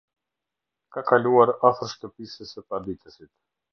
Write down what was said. Ka kaluar afër shtëpisë së paditësit.